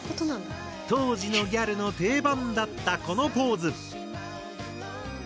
当時のギャルの定番だったこのポーズ。